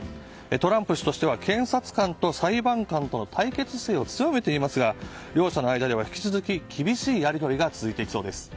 トランプ氏としては検察官と裁判官との対決姿勢を強めていますが両者の間では引き続き厳しいやり取りが続いていきそうです。